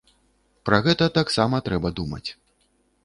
Пра гэта таксама трэба думаць.